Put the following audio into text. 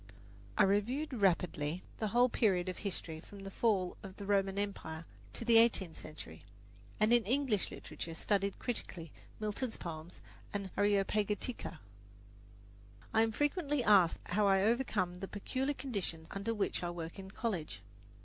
I reviewed rapidly the whole period of history from the fall of the Roman Empire to the eighteenth century, and in English literature studied critically Milton's poems and "Areopagitica." I am frequently asked how I overcome the peculiar conditions under which I work in college.